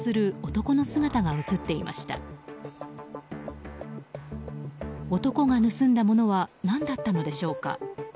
男が盗んだものは何だったのでしょうか。